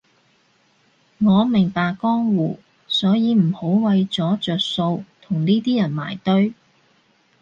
我明白江湖，所以唔好為咗着數同呢啲人埋堆